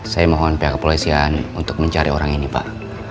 saya mohon pihak kepolisian untuk mencari orang ini pak